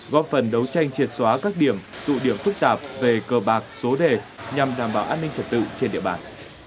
góp phần đấu tranh triệt xóa các điểm tụ điểm phức tạp về cờ bạc số đề nhằm đảm bảo an ninh trật tự trên địa bàn